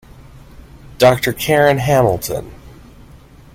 Doctor Karen Hamilton.